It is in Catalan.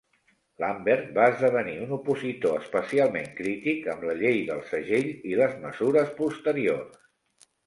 Lambert va esdevenir un opositor especialment crític amb la Llei del Segell i les mesures posteriors.